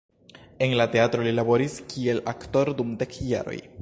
En la teatro li laboris kiel aktoro dum dek jaroj.